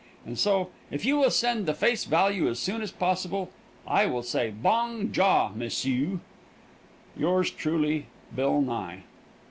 And so, if you will send the face value as soon as possible, I will say bong jaw, messue. Yours truly, BILL NYE.